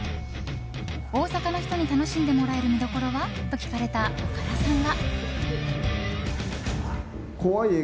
大阪の人に楽しんでもらえる見どころは？と聞かれた岡田さんは。